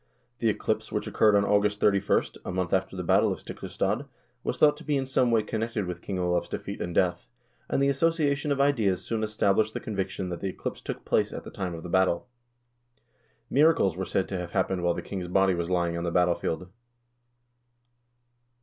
The eclipse which occurred on August 31st, a month after the battle of Stiklestad, was thought to be in some way connected with King Olav's defeat and death, and the association of ideas soon established the conviction that the eclipse took place at the time of the battle. Miracles were said to have happened while the king's body was lying on the battlefield.